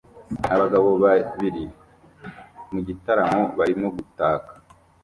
Abagabo babiri mu gitaramo barimo gutaka